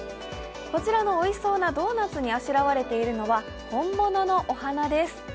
こちらのおいしそうなドーナツにあしらわれているのは本物のお花です。